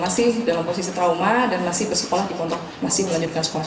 masih dalam posisi trauma dan masih bersekolah di pondok masih melanjutkan sekolah